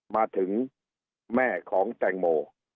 มาถึงแม่ของแตงโม